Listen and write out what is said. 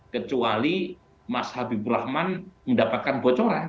kecuali mas habibur rahman mendapatkan bocoran